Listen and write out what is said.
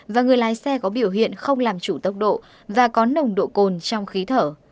và người lái xe có biểu hiện không làm chủ tốc độ và có nồng độ cồn trong khí thở